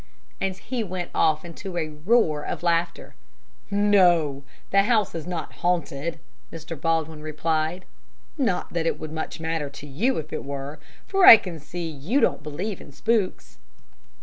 And he went off into a roar of laughter. "No, the house is not haunted," Mr. Baldwin replied. "Not that it would much matter to you if it were, for I can see you don't believe in spooks."